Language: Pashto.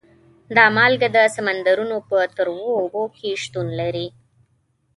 دا مالګه د سمندرونو په تروو اوبو کې شتون لري.